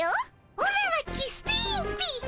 オラはキスティーンっピ。